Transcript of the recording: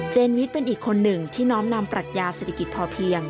เจนวิชเป็นอีกคนหนึ่งที่น้องนำปรัชญาศัตริกิจพอเพียง